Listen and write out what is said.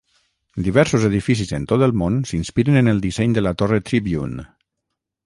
Diversos edificis en tot el món s'inspiren en el disseny de la torre Tribune.